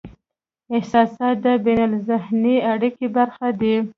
احساسات د بینالذهني اړیکې برخه دي.